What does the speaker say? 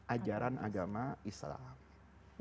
ajaran agama islam